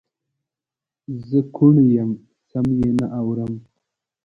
زه کوڼ یم سم یې نه اورم